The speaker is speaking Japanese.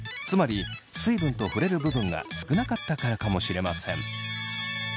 つまり水分と触れる部分が少なかったからかもしれません。